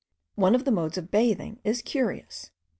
One of the modes of bathing is curious.